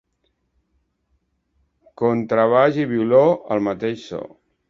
Contrabaix i violó, el mateix so.